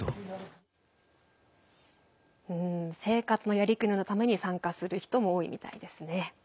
生活のやりくりのために参加する人も多いみたいですね。